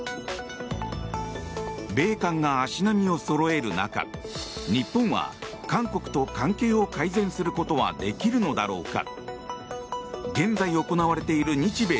米韓が足並みをそろえる中日本は韓国と関係を改善することはできるのだろうか。